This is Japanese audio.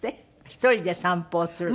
１人で散歩をする。